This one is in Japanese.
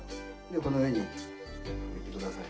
この上に置いてください。